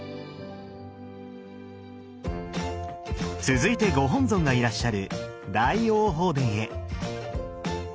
続いてご本尊がいらっしゃる大雄寶殿へ。